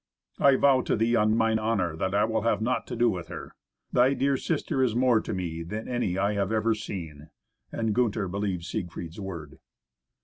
"I vow to thee on mine honour that I will have naught to do with her. Thy dear sister is more to me than any I have ever seen." And Gunther believed Siegfried's word.